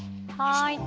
はい。